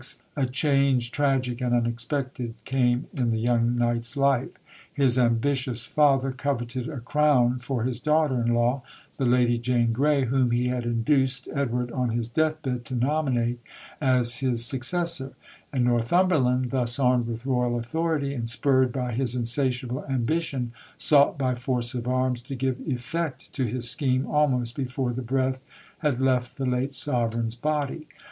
a change tragic and unexpected came in the young knight's life. His ambitious father coveted a crown for his daughter in law, the Lady Jane Grey, whom he had induced Edward, on his death bed, to nominate as his successor; and Northumberland, thus armed with Royal authority and spurred by his insatiable ambition, sought by force of arms to give effect to his scheme almost before the breath had left the late Sovereign's body.